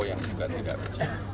yang juga tidak rejik